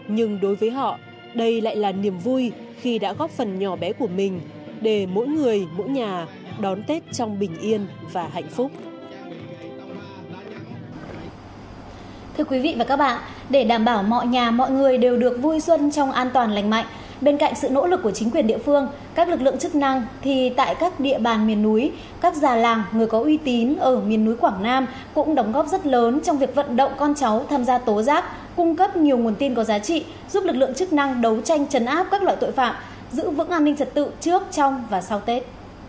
quý vị và các bạn để đảm bảo mọi nhà mọi người đều được vui xuân trong an toàn lành mạnh bên cạnh sự nỗ lực của chính quyền địa phương các già làng người có uy tín ở miền núi quảng nam cũng đóng góp rất lớn trong việc vận động con cháu tham gia tố giác giữ vững an ninh trật tự trước trong và sau tết